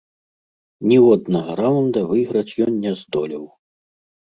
Ніводнага раўнда выйграць ён не здолеў.